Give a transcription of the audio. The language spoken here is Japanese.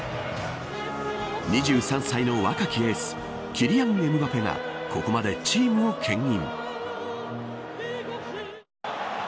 ２３歳の若きエースキリアン・エムバペがここまで、チームをけん引。